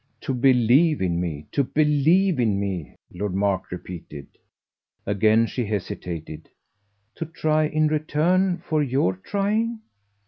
"To believe in me. To believe in me," Lord Mark repeated. Again she hesitated. "To 'try' in return for your trying?"